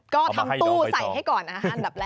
ก็ทำตู้ใส่ให้ก่อนอาหารอันดับแรก